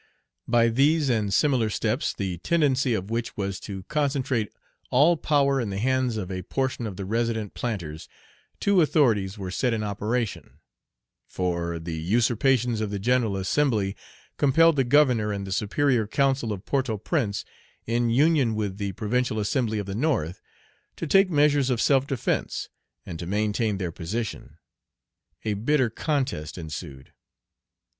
By these and similar steps, the tendency of which was to concentrate all power in the hands of a portion of the resident planters, two authorities were set in operation; for the usurpations of the General Assembly compelled the Governor and the Superior Council of Port au Prince, in union with the Provincial Assembly of the North, to take measures of self defence, and to maintain their position. A bitter contest ensued.